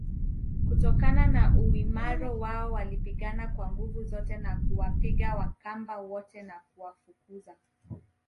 kutokana na uimara wao walipigana kwa nguvu zote na kuwapiga Wakamba wote na kuwafukuza